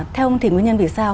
theo ông thị nguyên nhân vì sao